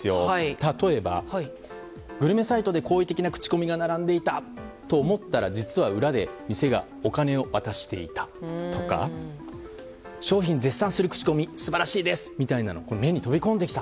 例えば、グルメサイトで好意的な口コミが並んでいたと思ったら実は裏で店がお金を渡していたとか商品絶賛する口コミ素晴らしいですみたいなのが目に飛び込んできた。